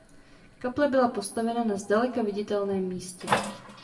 Kaple byla postavena na zdaleka viditelném místě.